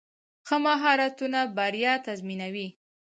ښه مهارتونه بریا تضمینوي.